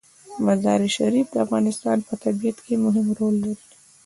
مزارشریف د افغانستان په طبیعت کې مهم رول لري.